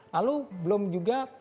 lalu belum juga kita melihat